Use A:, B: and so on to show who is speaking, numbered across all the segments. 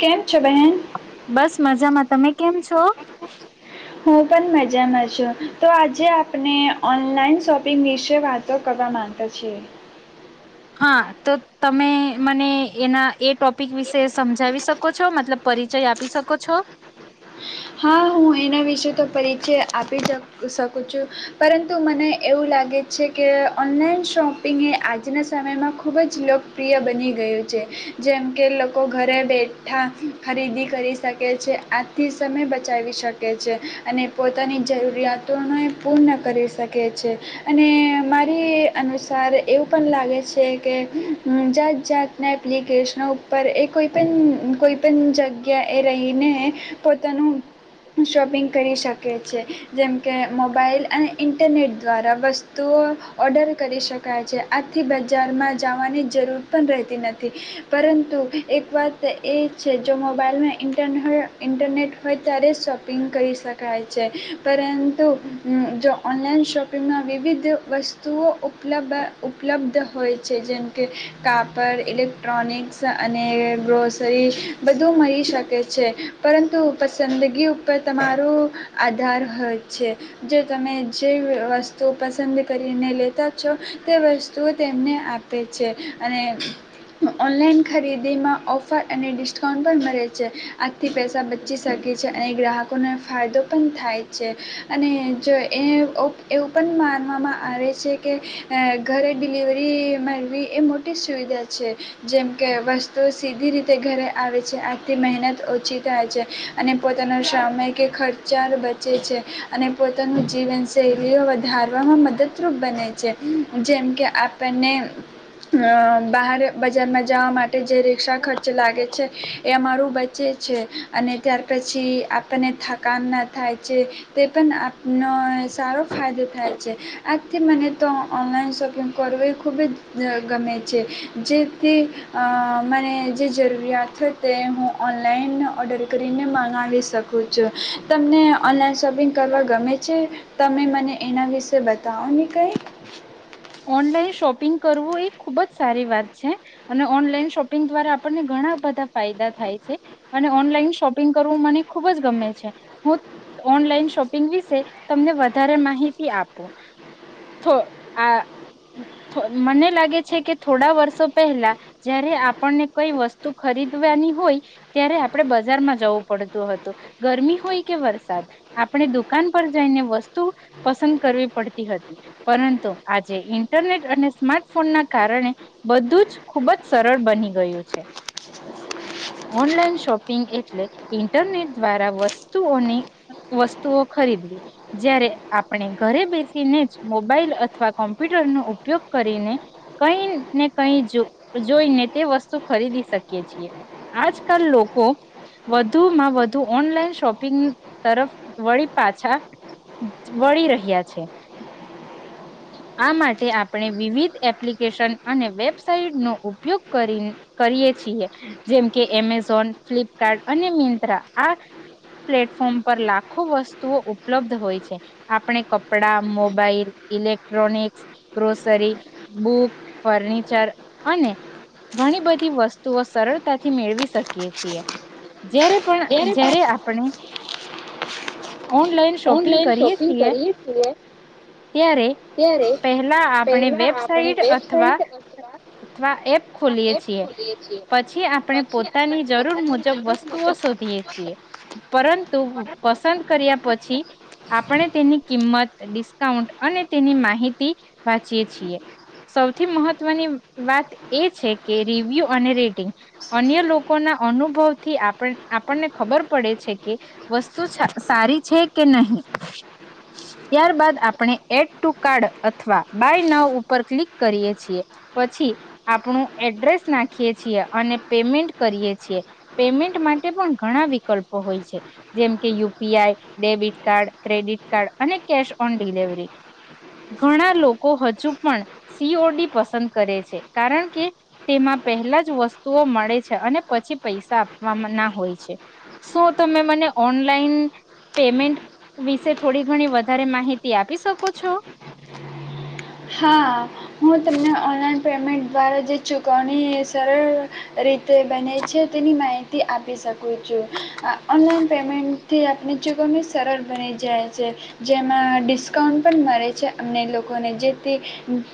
A: કેમ? છો બહેન
B: બસ મજામાં, તમે કેમ છો?
A: હું પણ મજામાં છું તો આજે આપણે ઓનલાઈન શોપિંગ વિશે વાતો કરવા માંગતા છીએ.
B: હા તો તમે મને એના એ ટોપિક વિશે સમજાવી શક શકો છો, મતલબ પરિચય આપી શકો છો?
A: છે આપી શ શકું છું પરંતુ મને એવું લાગે છે, કે ઓનલાઈન શોપિંગ એ આજના સમયમાં ખૂબ જ લોકપ્રિય બની ગયું છે, જેમ કે લોકો ઘરે બેઠા ખરીદી કરી શકે છે આથી સમય બચાવી શકે છે, અને પોતાની જરૂરિયાતોને પૂર્ણ કરી શકે છે. અને મારી અનુસાર એવું પણ લાગે છે, કે જાત જાતના એપ્લિકેશનો ઉપર એ કોઈપન કોઈપન જગ્યા એ રઈને પોતાનું શોપિંગ કરી શકે છે, જેમ કે મોબાઈલ અને ઇન્ટરનેટ દ્વારા વસ્તુઓ ઓર્ડર કરી શકાય છે, આથી બજારમાં જવાની જરૂર પણ રહેતી નથી પરંતુ એક વાત એ છે જો મોબાઈલમાં ઇન્ટરનેટ હો ઇન્ટરનેટ હોય ત્યારે શોપિંગ કરી શકાય છે, પરંતુ જો અમ્મ ઓનલાઈન શોપિંગમાં વિવિધ વસ્તુઓ ઉપલબ ઉપલબ્ધ હોય છે જેમ કે કાપડ ઇલેક્ટ્રોનિક્સ અને ગ્રોસરી બધું મળી શકે છે. પરંતુ પસંદગી ઉપર તમારુ આધાર હોય છે. જો તમે જે વસ્તુ પસંદ કરીને લેતા છો તે વસ્તુઓ તેમને આ પે છે, અને ઓનલાઈન ખરીદીમાં ઓફર અને ડિસ્કાઉન્ટ પણ મળે છે. થી પૈસા બચી શકે છે, અને ગ્રાહકોને ફાયદો પણ થાય છે, અને જો એ ઓપ એવું પણ માનવામાં આવે છે, કે અહ ઘરે ડિલિવરી મેળવી એ મોટી સુવિધા છે, જેમકે વસ્તુઓ સીધી રીતે ઘરે આવે છે, આથી મહેનત ઓ છી થાય છે, અને પોતાનો સમય કે ખર્ચા બચે છે, અને પોતાનું જીવનશૈલીઓ વધારવામાં મદદરૂપ બને છે. જેમ કે આપણને અહ બહાર બજારમાં જાવા માં ટે જે રિક્ષા ખર્ચ લાગે છે, એ અમારું બચે છે, અને ત્યાર પછી આપણને થકાન ના થાય છે, તે પણ આપનો સારો ફાયદો થાય છે. આથી મને તો ઓનલાઈન શોપિંગ કરવું એ ખૂબ જ ગમે છે, જેથી અહ મને જે જરૂરિયાત હોય તે હું ઓન લાઈન ઓર્ડર કરીને મગાવી શકું છું. તમને ઓનલાઈન શોપિંગ કરવા ગમે છે? તમે મને એના વિશે બતાવો ને કંઈ.
B: ઓનલાઈન શોપિંગ કરવું એ ખુબ જ સારી વાત છે, અને ઓનલાઈન શોપિંગ દ્વારા આપણને ઘણા બધા ફાયદા થાય છે, અને ઓનલાઈન શોપિંગ કરવું મને ખુબ જ ગમે છે. હું ઓનલાઈન શોપિંગ વિશે તમને વધારે માહિતી આપું. થો આ થો મને લાગે છે કે થોડા વર્ષો પહેલા જયારે આપણને કઈ વસ્તુ ખરીદવાની હોય ત્યારે આપણે બજારમાં જવું પડતું હતું, ગરમી હોય કે વરસાદ, આપણે દુકાન પર જઈને વસ્તુ પસંદ કરવી પડતી હતી, પરંતુ આજે ઇન્ટરનેટ અને સ્માર્ટફોન ના કારણે બધું જ ખુબ જ સરળ બની ગયું છે. ઓનલાઈન શોપિંગ એટલે ઈન્ટરનેટ દ્વારા વસ્તુઓની વસ્તુઓ ખરીદવી. જ્યારે આપણે ઘરે બેસીને જ મોબાઈલ અથવા કોમ્પ્યુટર નો ઉપયોગ કરીને કઈ ને કઈ જ જોઈને તે વસ્તુ ખરીદી શકીએ છીએ. આજકાલ લોકો વધુમાં વધુ ઓનલાઈન શોપિંગ તરફ વળી પાછા વળી રહ્યા છે. આ માટે આપણે વિવિધ એપ્લિકેશન અને વેબસાઇટ નો ઉપયોગ કરી કરીએ છીએ, જેમ કે એમેઝોન, ફ્લિપકાર્ટ, અને મિંત્રા આ પ્લેટફોર્મ પર લાખો વસ્તુઓ ઉપલબ્ધ હોય છે. આપણે કપડા, mobile electronics, grocery, book, furniture, અને ઘણી બધી વસ્તુઓ સરળતાથી મેળવી શકીએ છીએ. જયારે પણ જયારે આપણે ઓનલાઈન શોપિંગ
A: ઓનલાઈન
B: કરીએ
A: શોપિંગ
B: છીએ
A: કરીએ છીએ
B: ત્યારે પહેલા આપણે વેબસાઇટ અથવા-અથવા એપ ખોલીએ છીએ, પછી આપણે પોતાની જરૂર મુજબ વસ્તુઓ શોધીએ છીએ, પરંતુ પસંદ કર્યા પછી આપણે તેની કિંમત ડિ સ્કાઉન્ટ અને તેની માહિતી વાંચીએ છીએ સૌથી મહત્વની વાત એ છે કે રિવ્યુ અને રેટિંગ અન્ય લોકો ના અનુભવ થી આપ આપણ આપણને ખબર પડે છે કે વસ્તુ સારી છે કે નહી ત્યારબદ આપ આપણે એટ ટુ કાર્ડ અથવા બાય નવ ઉપર ક્લિક કરીએ છીએ પછી આપણું એડ્રેસ નાખીએ છીએ અને પેમેન્ટ કરીએ છીએ પેમેન્ટ માટે પણ ઘણા વિકલ્પો હોય છે જેમ કે U P I debit card credit card અને કેશ પણ ડિલિવરી ઘણા લોકો હજુ પણ સીઓડી પસંદ કરે છે કારણ કે તેમાં પહેલા જ વસ્તુઓ મળે છે અને પછી પૈસા આપવા ના હોય છે શું તમે મને ઓનલાઈન પેમેન્ટ વિશે થોડી ઘણી વધારે માહિતી તે આપી શકો છો.
A: હા હું તમને ઓનલાઈન પેમેન્ટ દ્વારા જે ચૂકવણી સરળ રીતે તે બને છે તેની માહિતી આપી શકું છું આ ઓનલાઈન પેમેન્ટથી આપણે ચૂકવણી સરળ બની જાય છે જેમાં ડિસ્કાઉન્ટ પણ મળે છે અમને લોકોને જે તે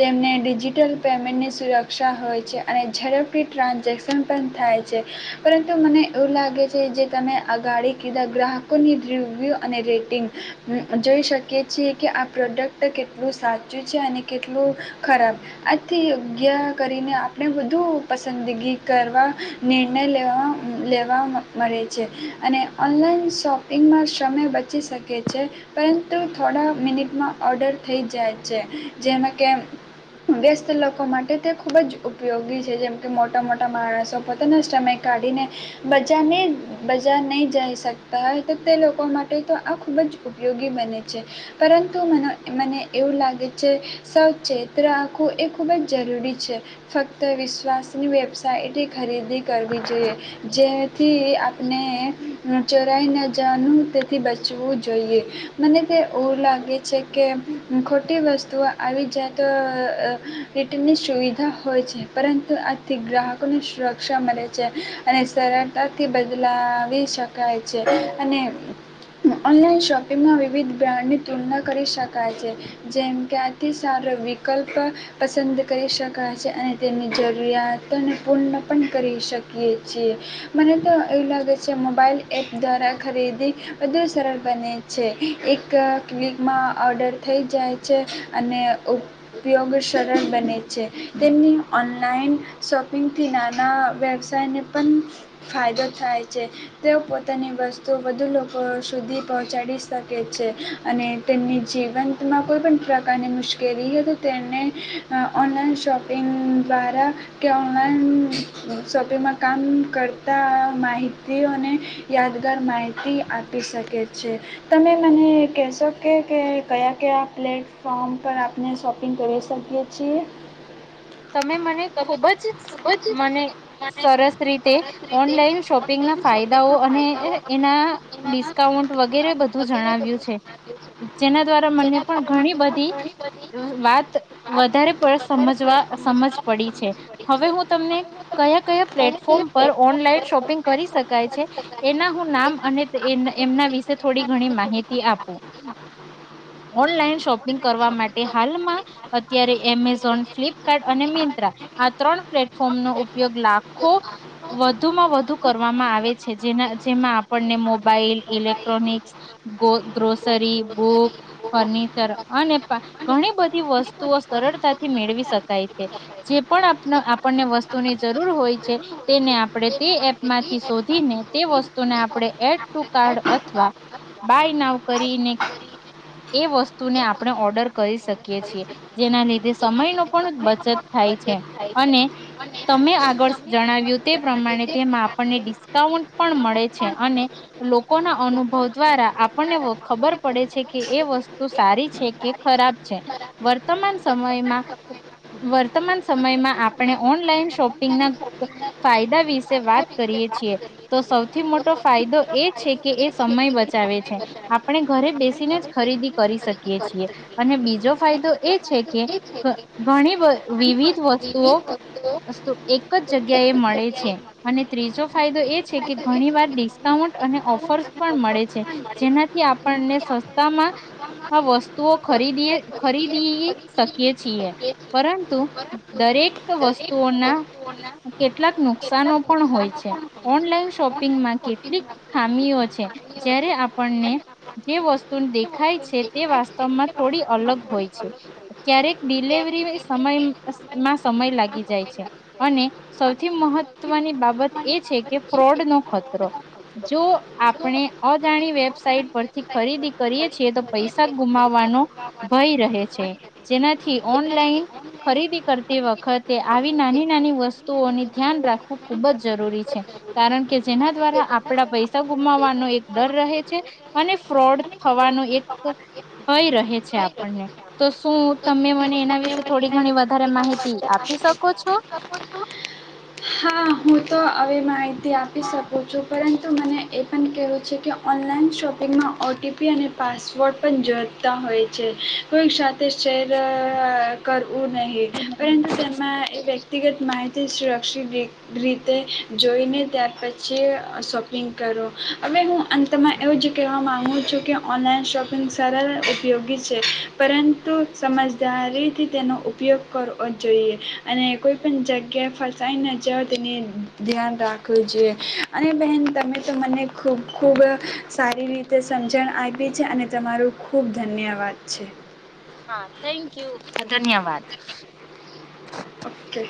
A: તેમને ડિજિટલ પેમેન્ટની સુરક્ષા હોય છે અને ઝડપથી ટ્રાન્ઝેક્શન પણ થાય છે પરંતુ મને એવું લાગે છે જે તમે આગાડી કીધા ગ્રાહકોની રિવ્યૂ અને રેટિંગ જોઈ શકીએ છીએ કે આ પ્રોડક્ટ કેટલું સાચું છે અને કેટલું ખરાબ આથી યોગ્ય કરીને આપણે બુ પસંદગી કરવા નિર્ણય લે લેવા મળે છે અને ઓનલાઈન શોપિંગમાં સમય બચી શકે છે પરંતુ થોડા મિનિટમાં ઓડર થઈ જાય જેમાં કે વ્યસ્ત લોકો માટે તે ખૂબ જ ઉપયોગી છે જેમકે મોટા મોટા માણસો પોતાના સમય કાઢીને બજારને બજાર નહીં જઈ શકતા હોય તો તે લોકો માટે તો આ ખૂબ જ ઉપયોગી બને છે પરંતુ મ મને એવું લાગે સવચેત્ર રાખવું એ ખૂબ જ જરૂરી છે ફક્ત વિશ્વાસની વ્યબસાય એટ ખરીદી કરવી જોઈએ જેથી આપણે ચોરાઈ ન જવાનું તેથી બચવું જોઈએ મને તે ઓ લાગે છે કે મોટી વસ્તુઓ આવી જાય તો રીટનની સુવિધા હોય છે પરંતુ આથી ગ્રાહકોને સુરક્ષા મળે છે અને સરળતાથી બદલાવી શકાય છે અને ઓનલાઈન શોપિંગમાં વિવિધ બ્રાન્ડની તુલના કરી શકાય છે જેમ કે અતિ સારો વિકલ્પ પસંદ કરી શકાય છે અને તેની જરૂરિયાતોને પૂર્ણ પણ કરી શકીએ છીએ મને તો એવું લાગે છે મોબાઈલ એપ દ્વારા ખરીદી બધુ સરળ બને છે એક ક્વિકમાં ઓર્ડર થઈ જાય છે અને ઉપયોગ સરળ બને છે તેમની ઓનલાઈન શોપિંગથી નાના વ્યવસાયને પણ ફાયદો થાય છે તેઓ પોતાની વસ્તુ વધુ લોકો સુધી પહોંચાડી શકે છે અને તેમની જીવન માં કોઈ પણણ પ્રકારની મુશ્કેલી તો તેને ઓનલાઈન શોપિંગ દ્વારા કે ઓનલાઈન શોપિંગમાં કામ કરતા માહિતીઓને યાદગાર માહિતી આપી શકે છે તમે મને કહેશો કે કે કયા ક્યા પ્લેટફર્મ પર આપને શોપિંગ કરીે શકીીએછીએ
B: તમે મને ખુબ જ મને સરસ રીતે ઓનલાઈન શોપિંગના ફાયદાઓ અને એના ડિસ્કાઉન્ટ વગેરે બું જણાવ્યું છે જેના દ્વારા મ પણ ઘણી બધી વાત વધારે પ સમજવા સમજ પડી છે હવે હું તમને કયા કયા પ્લેટફોર્મ પર ઓનલાઈન શોપિંગ કરી શકાય છે એના હું નામ અને એમના વિશે થોડી ઘણી માહિતી આપું ઓનલાઈન શોપિંગ કરવા માટે હાલમાં અત્યારે એમેઝોન ફ્લિપકાર્ટ અને મિંત્રા આ ત્રણ પ્લેટફોર્મનો ઉપયોગ લાખો વધુમાં વધુ કરવામાં આવે છે જેના જેમાં આપણને મોબાઈલ ઇલેક્ટ્રોનિક્સ ગ્રોસરી બ ફર્નિચર અને ઘણી બધી વસ્તુ સરળતાથી મેળવી જે પણ આપણને વસ્તુની જરૂર હોય છે, તેને આપણે તે એપ માંથી શોધીને તે વસ્તુને આપણે એડ ટુ કાર્ડ અથવા બાય નાવ કરીને એ વસ્તુને આપણે ઓર્ડર કરી શકીએ છીએ જેના લીધે સમયનો પણ બચત થાય છે, અને તમે આગળ જણાવ્યું તે પ્રમાણે તેમાં આપણને ડિસ્કાઉન્ટ પણ મળે છે, અને લોકોના અનુભવ દ્વારા આપણને ખબર પડે છે કે એ વસ્તુ સારી છે કે ખરાબ છે, વર્તમાન સમયમાં વર્તમાન સમયમાં આપણે ઓનલાઈન શોપિંગના ફાયદા વિશે વાત કરીએ છીએ, તો સૌથી મોટો ફાયદો એ છે કે એ સમય બચાવે છે, આપણે ઘરે બેસીને જ ખરીદી કરી શકીએ છીએ અને બીજો ફાયદો એ છે કે ઘણી વ વિવિધ વસ્તુઓ વસ્તુ એક જ જગ્યાએ મળે છે, અને ત્રીજો ફાયદો એ છે કે ઘણી વાર ડિસ્કાઉન્ટ અને ઓફર્સ પણ મળે છે, જેનાથી આપણને સસ્તામાં આ વસ્તુઓ ખરીદીએ, ખરીદી શકીએ છીએ. પરંતુ દરેક વસ્તુઓના કેટલાક નુકસાનો પણ હોય છે, ઓનલાઈન શોપિંગમાં કેટલીક ખામીઓ છે જ્યારે આપણને જે વસ્તુ દેખાય છે તે વાસ્તવમાં થોડી અલગ હોય છ, ક્યારેક ડિલવરી સમયમાં સમય લાગી જાય છે અને સૌથી મહત્વની બાબત એ છે કે ફ્રોડ નો ખતરો જો આપણે અજાણી વેબસાઇટ પરથી ખરીદી કરીએ છીએ તો પૈસા ગુમાવવાનો ભય રહે છે જેનાથી ઓન ખરીદી કરતી વખતે આવી નાની નાની વસ્તુઓને ધ્યાન રાખવું ખુબ જ જરૂરી છે કારણ કે જેના દ્વારા આપડા પૈસા ગુમાવવાનો એક ડર રહે છે અને ફ્રોડ થવાનો એક ભય રહે છે આપણને તો શું તમે મને એના વિ થોડી ઘણી વધારે માહિત આપી શકો છો.
A: ત આપી શ છું પરંતુ મને એ પણ કહેવું છે કે ઓનલાઈન શોપિંગમાં ઓટીપી અને પાસવર્ડ પણ જોડતા હોય છે કોઈ સા તે શેર કરવું નહીં પરંતુ તેમાં એ વ્યક્તિગત માહિતી તે સુરક્ષિત દ રીતે જોઈને ત્યાર પછી શોપિંગ કરો હવે હું અંતમાં એવું જ કહેવા માંગુ જોકે ઓનલાઈન શોપિંગ સરળ ઉપયોગી છે પરંતુ સમજદારીથી તેનો ઉપયોગ કરવો જોઈએ અને કોઈપણ જગ્યાએ ફસાઈને જ તેને ધ્યાન રાખવું જોઈએ અને બહેન તમે તો મને ખૂબ ખૂબ સારી રીતે સમજણ આપી છે અને તમારું ખૂબ ધન્યવાદ છે.
B: હા થેન્ક યુ ધન્યવાદ. [inaudible]
A: ઓકે.